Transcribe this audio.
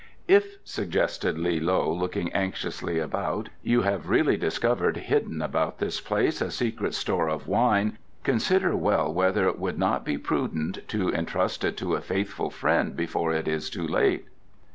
"If," suggested Li loe, looking anxiously around, "you have really discovered hidden about this place a secret store of wine, consider well whether it would not be prudent to entrust it to a faithful friend before it is too late."